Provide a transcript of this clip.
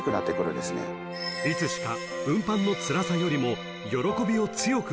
［いつしか］